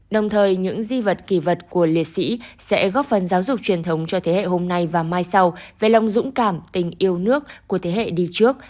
đồng thời những di vật kỳ vật của liệt sĩ sẽ góp phần giáo dục truyền thống cho thế hệ hôm nay và mai sau về lòng dũng cảm tình yêu nước của thế hệ đi trước